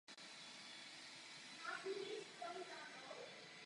Řada jich je také soukromých.